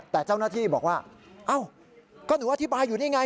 แต่เจ้าหน้าที่บอกว่าเอ้าก็หนูอธิบายอยู่นี่ไง